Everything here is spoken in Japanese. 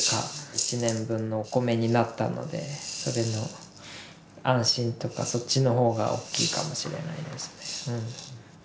１年分のお米になったのでそれの安心とかそっちの方が大きいかもしれないですね。